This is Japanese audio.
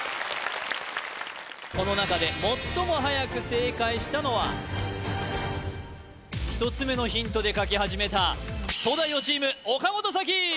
この中で最もはやく正解したのは１つ目のヒントで書き始めた東大王チーム岡本沙紀